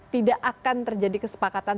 tidak akan terjadi kesepakatan